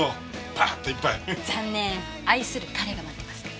パーッと１杯残念愛する彼が待ってますから。